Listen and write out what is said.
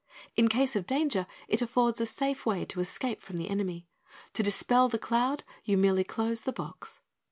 In case of danger it affords a safe way of escape from the enemy. To dispel the cloud you merely close the box."